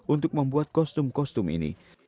untuk membuat kostum kostum ini